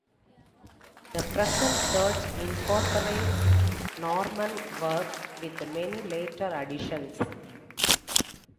The present church incorporates Norman work, with many later additions.